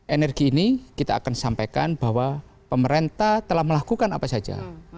energi ini kita akan sampaikan bahwa pemerintah telah melakukan apa saja